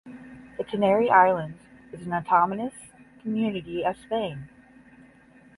The Canary Islands is an Autonomous community of Spain.